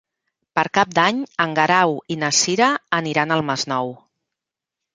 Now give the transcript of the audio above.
Per Cap d'Any en Guerau i na Cira aniran al Masnou.